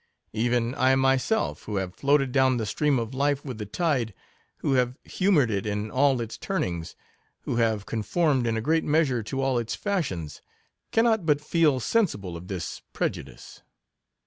Even I myself, who have floated down the stream of life with the tide — who have hu moured it in all its turnings — who have con formed in a great measure to all its fashions, — cannot but feel sensible of this prejudice.